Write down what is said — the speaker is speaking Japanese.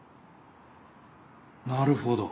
なるほど。